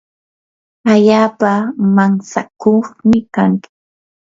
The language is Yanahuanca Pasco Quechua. allaapa mantsakuqmi kanki.